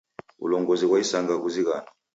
W'ulongozi ghwa isanga ghuzighano.